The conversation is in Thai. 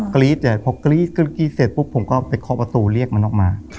กรี๊ดเลยพอกรี๊ดเสร็จปุ๊บผมก็ไปเคาะประตูเรียกมันออกมา